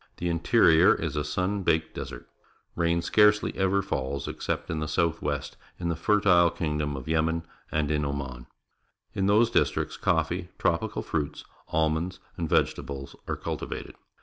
The interior is a sun baked desert. Rain scarce ly ever falls, except in the south west in the fertile kingdom of Ye77ien and in Oman. In those districts, coffee, tropical fruits, almonds, and vegetables are cultivated.